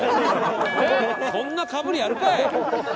そんなかぶりあるかい！